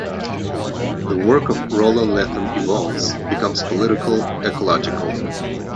The work of Roland Lethem evolves, becomes political, ecological.